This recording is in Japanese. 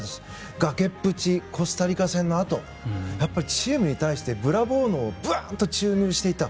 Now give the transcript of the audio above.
崖っぷちのコスタリカ戦のあとチームに対して、ブラボー脳をばっと注入していった。